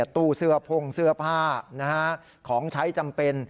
ตู้เสื้อพงเสื้อผ้าของใช้จำเป็น